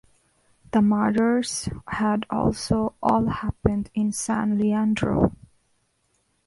The murders had also all happened in San Leandro.